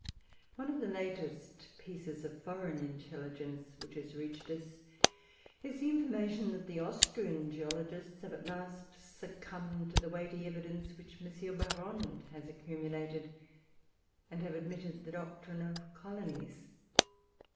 One of the latest pieces of foreign intelligence which has reached us is the information that the Austrian geologists have, at last, succumbed to the weighty evidence which M. Barrande has accumulated, and have admitted the doctrine of colonies.